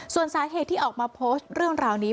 ส่วนสาเหตุที่ออกมาโพสต์เรื่องราวนี้